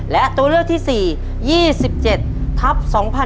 และตัวเลือกที่๔๒๗ทับ๒๕๖๒